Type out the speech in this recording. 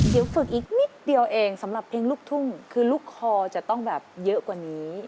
เดี๋ยวฝึกอีกนิดเดียวเองสำหรับเพลงลูกทุ่งคือลูกคอจะต้องแบบเยอะกว่านี้